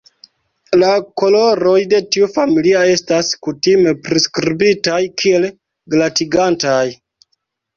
La koloroj de tiu familia estas kutime priskribitaj kiel "glatigantaj".